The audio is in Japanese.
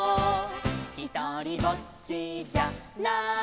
「ひとりぼっちじゃないさ」